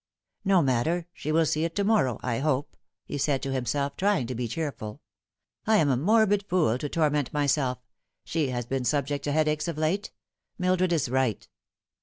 " No matter ; she will see it to morrow, I hope," he said to himself, trying to be cheerful. "I am a morbid fool to torment myself ; she has been subject to headaches of late. Mildred is right."